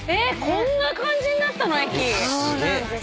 こんな感じになったの⁉駅！